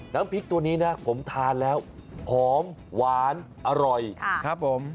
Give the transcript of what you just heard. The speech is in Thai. น้ำพริกตัวนี้นะผมทานแล้วหอมหวานอร่อยครับผม